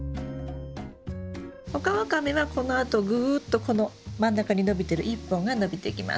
オカワカメはこのあとぐっとこの真ん中に伸びてる１本が伸びていきます。